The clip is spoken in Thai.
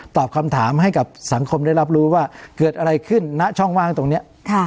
ตอบคำถามให้กับสังคมได้รับรู้ว่าเกิดอะไรขึ้นณช่องว่างตรงนี้